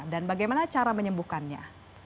dan bagaimana cara menyembuhkannya